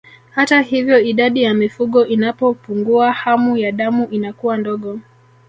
Hata hivyo idadi ya mifugo inapopungua hamu ya damu inakuwa ndogo